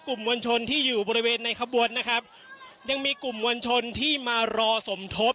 กลุ่มมวลชนที่อยู่บริเวณในขบวนนะครับยังมีกลุ่มมวลชนที่มารอสมทบ